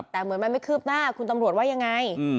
แต่เหมือนมันไม่คืบหน้าคุณตำรวจว่ายังไง